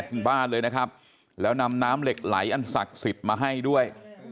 ถึงบ้านเลยนะครับแล้วนำน้ำเหล็กไหลอันศักดิ์สิทธิ์มาให้ด้วย